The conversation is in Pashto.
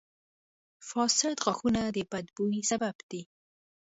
• فاسد غاښونه د بد بوي سبب دي.